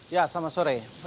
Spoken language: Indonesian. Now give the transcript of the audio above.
ya selamat sore